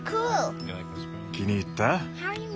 気に入った？